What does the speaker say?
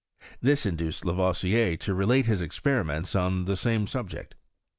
This induced Lavoisier to relate his ex periments on the same subject.